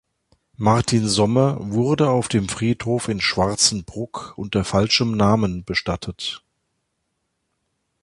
Martin Sommer wurde auf dem Friedhof in Schwarzenbruck unter falschem Namen bestattet.